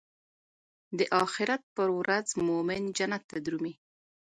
د اخرت پر ورځ مومن جنت ته درومي.